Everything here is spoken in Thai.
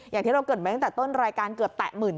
อย่างที่เราเกิดไปตั้งแต่ต้นรายการเกือบ๘๙๐๐๐